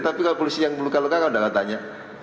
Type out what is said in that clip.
tapi kalau polisi yang meluka luka kamu tidak akan tanya